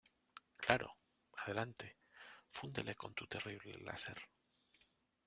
Claro, adelante. Fúndele con tu terrible láser .